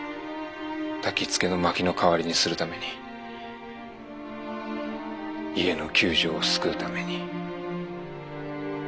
たきつけの薪の代わりにするために家の窮状を救うために。